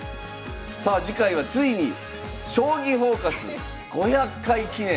さあ次回はついに「将棋フォーカス」「５００回記念」。